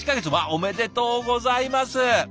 おめでとうございます！